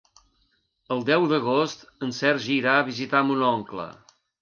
El deu d'agost en Sergi irà a visitar mon oncle.